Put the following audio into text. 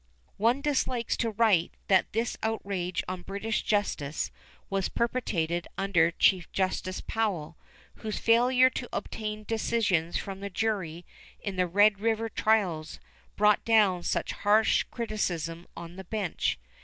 One dislikes to write that this outrage on British justice was perpetrated under Chief Justice Powell, whose failure to obtain decisions from the jury in the Red River trials brought down such harsh criticism on the bench.